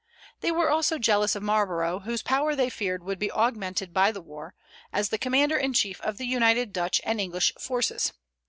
They were also jealous of Marlborough, whose power they feared would be augmented by the war, as the commander in chief of the united Dutch and English forces.